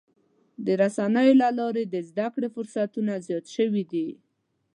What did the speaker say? د رسنیو له لارې د زدهکړې فرصتونه زیات شوي دي.